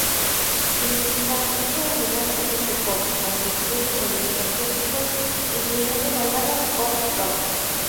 Su música es predominantemente pop, aunque incluye sonidos acústicos, incluyendo baladas pop rock.